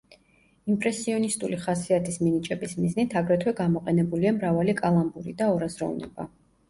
იმპრესიონისტული ხასიათის მინიჭების მიზნით აგრეთვე გამოყენებულია მრავალი კალამბური და ორაზროვნება.